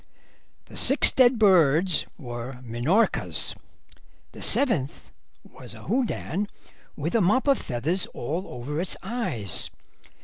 "The six dead birds were Minorcas; the seventh was a Houdan with a mop of feathers all over its eyes.